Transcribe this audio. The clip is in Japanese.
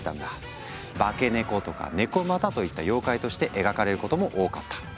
化け猫とか猫又といった妖怪として描かれることも多かった。